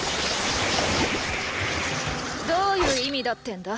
どういう意味だってんだ？